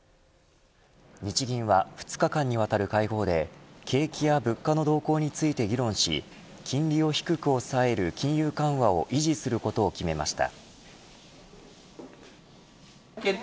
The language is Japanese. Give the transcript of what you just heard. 日銀は２日間にわたる会合で景気や物価の動向について議論し金利を低く抑える金融緩和を維持することを決めました。